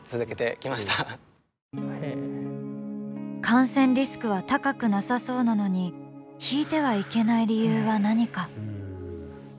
感染リスクは高くなさそうなのに弾いてはいけない理由は何か？